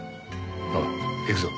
おい行くぞ。